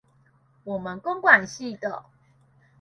我們工管系的